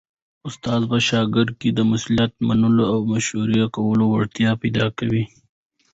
استاد په شاګرد کي د مسؤلیت منلو او مشرۍ کولو وړتیا پیدا کوي.